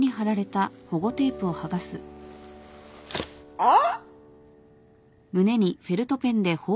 あっ？